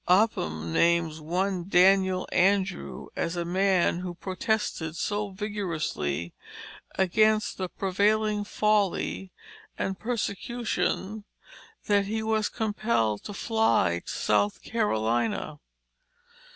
Upham names one Daniel Andrew as a man who protested so vigorously against the prevailing folly and persecution, that he was compelled to fly to South Carolina.